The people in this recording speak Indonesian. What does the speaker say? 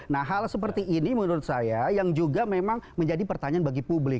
nah hal seperti ini menurut saya yang juga memang menjadi pertanyaan bagi publik